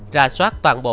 rà soát toàn bộ